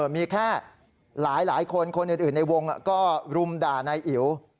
มีแค่หลายคนคนอื่นในวงก็รุมด่านายอิ๋ว